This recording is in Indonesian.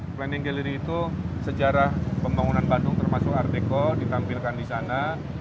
planning gallery itu sejarah pembangunan bandung termasuk art deco ditampilkan di sana